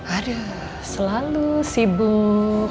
aduh selalu sibuk